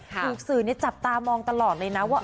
ถูกสื่อจับตามองตลอดเลยนะว่า